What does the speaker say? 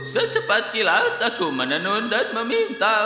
secepat kilat aku menenun dan meminta